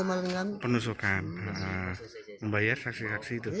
membayar saksi saksi itu